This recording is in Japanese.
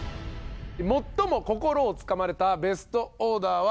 最も心をつかまれたベストオーダーは何でしょうか。